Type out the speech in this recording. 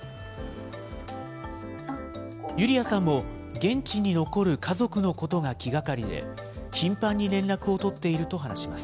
ユリヤさんも現地に残る家族のことが気がかりで、頻繁に連絡を取っていると話します。